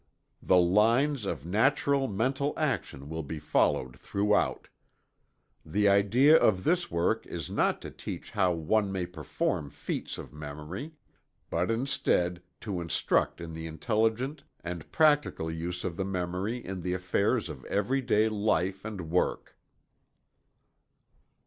The lines of natural mental action will be followed throughout. The idea of this work is not to teach how one may perform "feats" of memory; but, instead, to instruct in the intelligent and practical use of the memory in the affairs of every day life and work.